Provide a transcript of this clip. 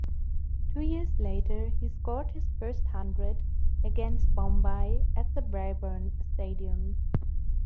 Two years later he scored his first hundred, against Bombay at the Brabourne Stadium.